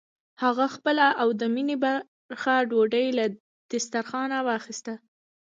هغه خپله او د مينې برخه ډوډۍ له دسترخوانه واخيسته.